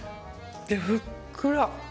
で、ふっくら。